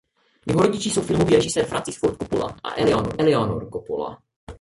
Jeho rodiči jsou filmový režisér Francis Ford Coppola a Eleanor Coppola.